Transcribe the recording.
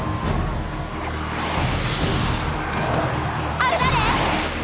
あれ誰？